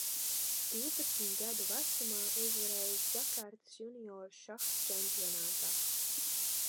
Divpadsmit gadu vecumā uzvarējis Džakartas junioru šaha čempionātā.